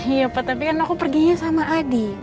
iya pak tapi kan aku perginya sama adi